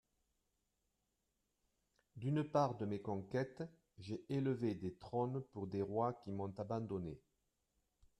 D'une part de mes conquêtes, j'ai élevé des trônes pour des rois qui m'ont abandonné.